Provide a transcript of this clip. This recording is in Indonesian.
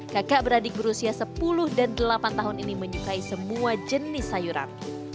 kakak beradik berusia sepuluh dan delapan tahun ini menyukai semua jenis sayuran